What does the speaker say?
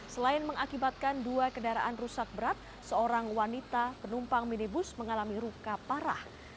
selain mengakibatkan dua kendaraan rusak berat seorang wanita penumpang minibus mengalami luka parah